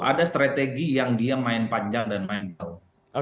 ada strategi yang dia main panjang dan main jauh